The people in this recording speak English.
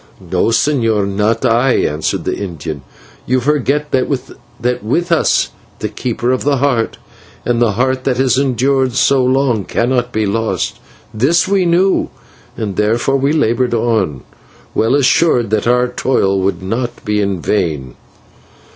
"No, señor, not I," answered the Indian. "You forget that with us was the Keeper of the Heart, and the Heart that has endured so long, cannot be lost. This we knew, and therefore we laboured on, well assured that our toil would not be in vain."